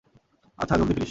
আচ্ছা, জলদি ফিরিস।